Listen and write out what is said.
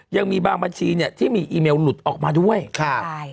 ยังมีบางบัญชีเนี่ยที่มีอีเมลหลุดออกมาด้วยครับใช่